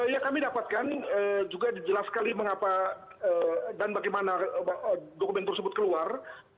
yang kami dapatkan juga jelas sekali mengapa dan bagaimana dokumen tersebut keluar